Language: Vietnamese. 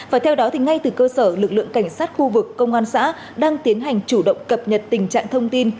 và theo đó thì ngay từ cơ sở lực lượng cảnh sát khu vực công an xã đang tiến hành chủ động cập nhật tình trạng thông tin